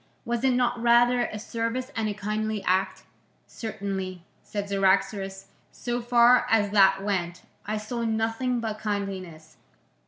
Was it not rather a service and a kindly act?" "Certainly," said Cyaxares, "so far as that went, I saw nothing but kindliness."